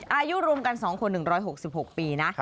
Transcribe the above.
อายุรวมกัน๒คน๑๖๖ปีนะ